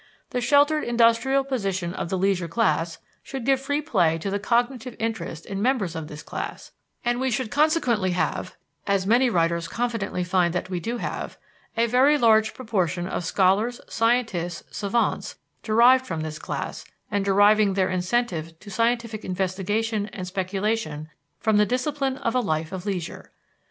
The sheltered industrial position of the leisure class should give free play to the cognitive interest in members of this class, and we should consequently have, as many writers confidently find that we do have, a very large proportion of scholars, scientists, savants derived from this class and deriving their incentive to scientific investigation and speculation from the discipline of a life of leisure.